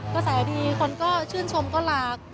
ก็แสดีคนก็ชื่นชมก็รัก